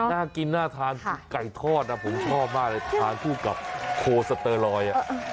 น่ากินน่าทานไก่ทอดนะผมชอบมากเลยทานคู่กับโคสเตอร์ลอย